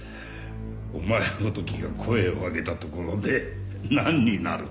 お前ごときが声を上げたところで何になる？